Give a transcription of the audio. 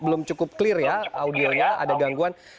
belum cukup clear ya audionya ada gangguan